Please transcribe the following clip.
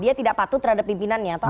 dia tidak patuh terhadap pimpinannya atau apa